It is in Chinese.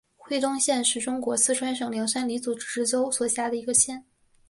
会东县是中国四川省凉山彝族自治州所辖的一个县。